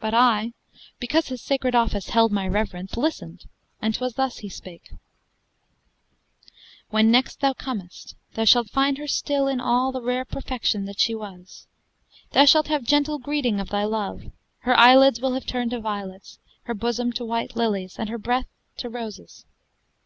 But I, because his sacred office held My reverence, listened; and 'twas thus he spake: "When next thou comest thou shalt find her still In all the rare perfection that she was. Thou shalt have gentle greeting of thy love! Her eyelids will have turned to violets, Her bosom to white lilies, and her breath To roses.